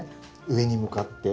上に向かって。